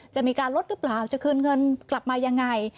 จะมีการลดหรือเปล่าจะคืนเงินกลับมายังไง